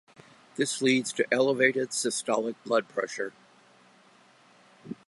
This leads to elevated systolic blood pressure.